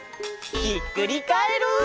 ひっくりカエル！